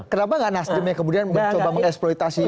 kenapa gak nasdun yang kemudian mencoba mengeksploitasi